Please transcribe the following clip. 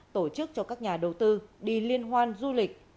tổ chức cho các nhà đầu tư đi liên hoan du lịch